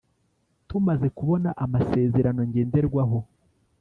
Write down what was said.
Tumaze kubona Amasezerano Ngenderwaho